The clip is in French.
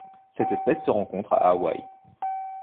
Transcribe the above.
Cette espèce se rencontre à Hawaii.